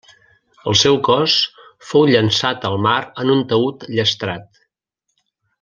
El seu cos fou llançat al mar en un taüt llastrat.